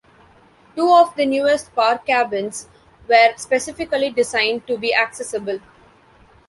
Two of the newest park cabins were specifically design to be accessible.